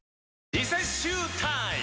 リセッシュータイム！